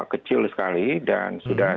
kecil sekali dan sudah